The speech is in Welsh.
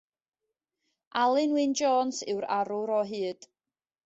Alun Wyn Jones yw'r arwr o hyd.